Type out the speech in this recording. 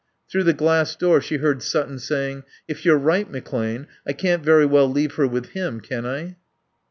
Through the glass door she heard Sutton saying, "If you're right, McClane, I can't very well leave her with him, can I?"